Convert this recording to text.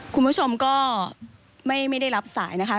คุณผู้ชมก็ไม่ได้รับสายนะคะ